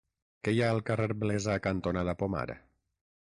Què hi ha al carrer Blesa cantonada Pomar?